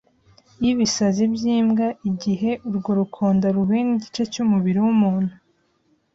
y’ ibisazi by’ imbwa igihe urwo rukonda ruhuye n’ igice cy’ umubiri w’ umuntu